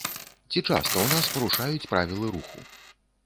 Ці часта ў нас парушаюць правілы руху?